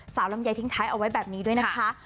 ลำไยทิ้งท้ายเอาไว้แบบนี้ด้วยนะคะ